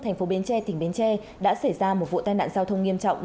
thành phố bến tre tỉnh bến tre đã xảy ra một vụ tai nạn giao thông nghiêm trọng